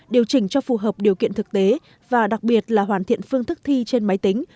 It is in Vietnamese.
điều chỉnh cho phù hợp điều kiện thực tế và đặc biệt là hoàn thiện phương thức thi trên máy tính